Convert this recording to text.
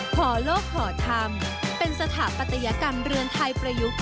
ห่อโลกห่อธรรมเป็นสถาปัตยกรรมเรือนไทยประยุกต์